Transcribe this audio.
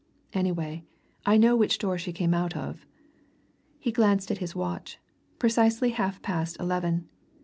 Anyway, I know which door she came out of!" He glanced at his watch precisely half past eleven.